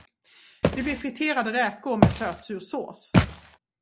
Det blir friterade räkor med sötsur sås.